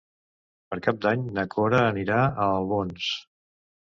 Per Cap d'Any na Cora anirà a Albons.